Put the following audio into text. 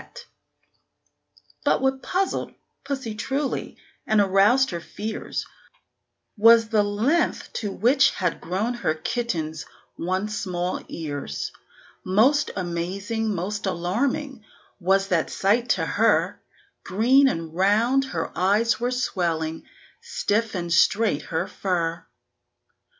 But what puzzled pussy truly, and aroused her fears, Was the length to which had grown her kitten's once small ears. Most amazing, most alarming, was that sight to her; Green and round her eyes were swelling, stiff and straight her fur.